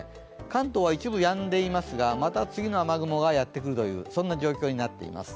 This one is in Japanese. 関東は一部やんでいますが、また次の雨雲がやってくるというそんな状況になっています。